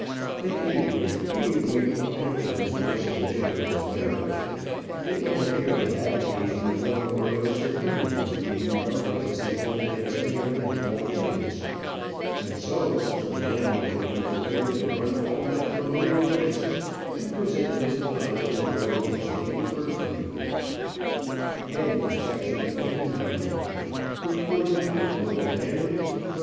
At any rate, he would wait till after the solicitor general's marriage. It might appear on that occasion whether or no Sir Henry was to be regarded as the old man's heir in all things. If so, Sir Lionel would be prepared to run all matrimonial risks, and present Miss Todd to the world as Lady Bertram. CHAPTER XV. MARRIAGE BELLS. And now came the day of execution.